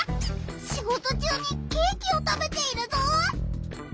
仕事中にケーキを食べているぞ！